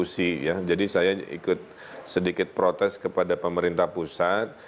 saya ikut sedikit protes kepada pemerintah pusat